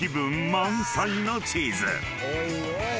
満載のチーズ］